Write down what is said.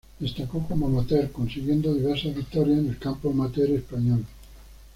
Destacó como amateur consiguiendo diversas victorias en el campo amateur español.